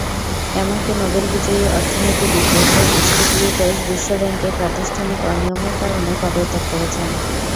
এমনকি নোবেল বিজয়ী অর্থনীতিবিদ জোসেফ স্টিগলিটজ বিশ্বব্যাংকের প্রাতিষ্ঠানিক অনিয়মের কারণে পদত্যাগ করেছেন।